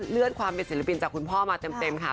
เลื่อนความเป็นศิลปินจากคุณพ่อมาเต็มค่ะ